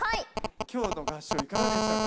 今日の合唱いかがでしたか？